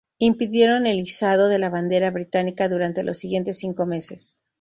Impidieron el izado de la bandera británica durante los siguientes cinco meses.